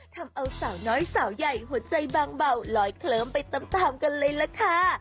ทำเอาสาวน้อยสาวใหญ่หัวใจบางเบาลอยเคลิ้มไปตามกันเลยล่ะค่ะ